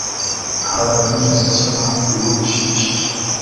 Ntabwo nigeze nsoma inkuru ishimishije